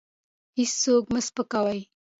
هېڅوک مه سپکوئ.